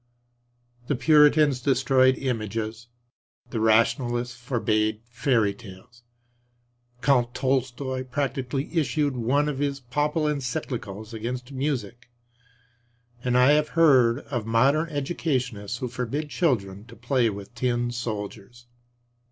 The Puritans destroyed images; the Rationalists forbade fairy tales. Count Tostoi practically issued one of his papal encyclicals against music; and I have heard of modern educationists who forbid children to play with tin soldiers.